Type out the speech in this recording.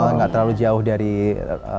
enggak terlalu jauh dari umpat